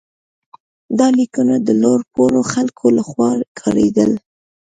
دا لیکونه د لوړ پوړو خلکو لخوا کارېدل.